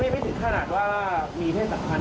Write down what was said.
ไม่ถึงขนาดว่ามีเทศสัตว์ภาค